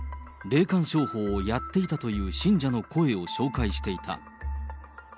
霊感商法をやっていたという信者の声を紹介していた。